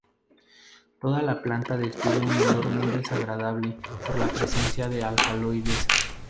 Toda la planta despide un olor muy desagradable por la presencia de alcaloides.